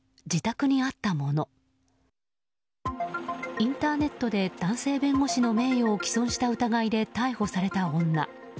インターネットで男性弁護士の名誉を毀損した疑いで逮捕された女。